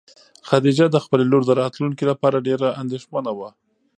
خدیجه د خپلې لور د راتلونکي لپاره ډېره اندېښمنه وه.